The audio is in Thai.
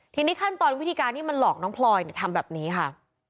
ทีนี้ขั้นตอนวิธีการที่มันหลอกน้องพลอยทำแบบนี้ค่ะ